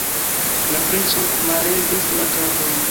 La princo mallevis la kapon.